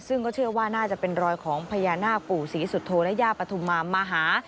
ซึ่งก็เชื่อว่าน่าจะเป็นรอยของพญานาคปู่ศรีสุโธและย่าปฐุมามาหา